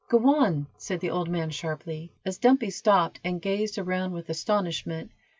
"Go on," said the old man, sharply, as Dumpy stopped and gazed around with astonishment.